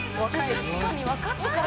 確かに分かってから